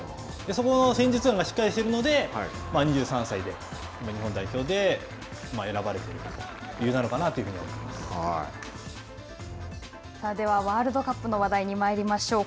そこの戦術眼がしっかりしているので、２３歳で日本代表で選ばれている理由なのかなと思いではワールドカップの話題にまいりましょう。